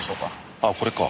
あっこれか。